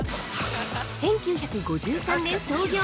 ◆１９５３年創業！